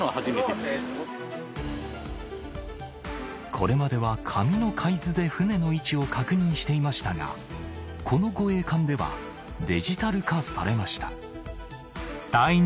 これまでは紙の海図で船の位置を確認していましたがこの護衛艦ではデジタル化されました